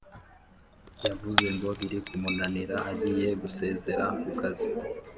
Yavuze ngo biri kumunanira agiye gusezera kukazi